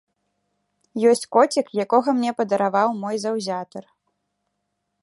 Ёсць коцік, якога мне падараваў мой заўзятар.